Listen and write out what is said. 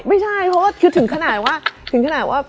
ไม่ใช่เพราะว่าถึงขนาดว่า